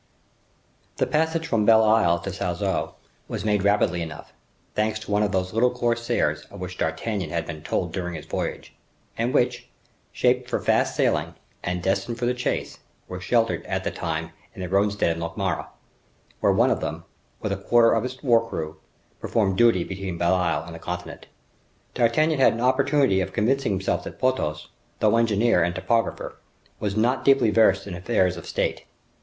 The passage from Belle Isle to Sarzeau was made rapidly enough, thanks to one of those little corsairs of which D'Artagnan had been told during his voyage, and which, shaped for fast sailing and destined for the chase, were sheltered at that time in the roadstead of Locmaria, where one of them, with a quarter of its war crew, performed duty between Belle Isle and the continent. D'Artagnan had an opportunity of convincing himself that Porthos, though engineer and topographer, was not deeply versed in affairs of state.